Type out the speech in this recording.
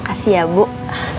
ya allah ya tuhan